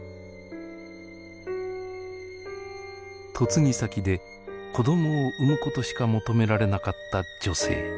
嫁ぎ先で子どもを産むことしか求められなかった女性。